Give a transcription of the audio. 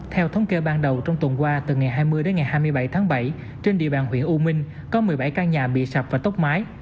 theo thống kê ban đầu trong tuần qua từ ngày hai mươi đến ngày hai mươi bảy tháng bảy trên địa bàn huyện u minh có một mươi bảy căn nhà bị sập và tốc mái